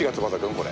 これ。